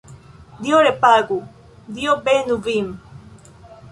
Dio repagu, Dio benu vin!